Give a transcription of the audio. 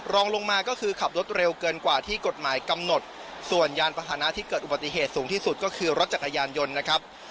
รองลงมาก็คือขับรถเร็วเกินกว่าที่กฎหมายกำหนดส่วนยานพาหนะที่เกิดอุบัติเหตุสูงที่สุดก็คือรถจักรยานยนต์นะครับ